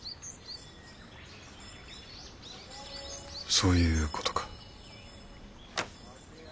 そういうことか。